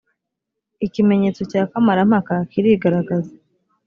ikimenyetso cya kamarampaka kirigaragaza